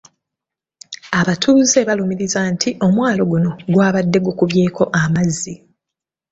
Abatuuze balumiriza nti omwalo guno gwabadde gukubyeko amazzi.